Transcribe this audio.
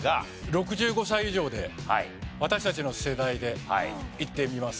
６５歳以上で私たちの世代でいってみます。